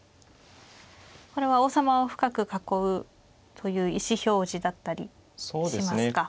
これは王様を深く囲うという意思表示だったりしますか。